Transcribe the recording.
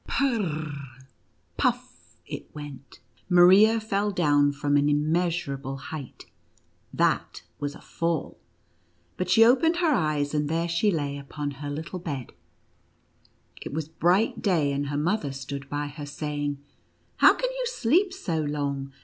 Pee — puff it went ! Maria fell down from an immeasurable height. That was a fall ! But she opened her eyes, and there she lay upon her NUTCEACKEE AND MOUSE KING. 129 little bed ; it was bright clay, and lier mother stood by her, saying: "How can you sleep so long?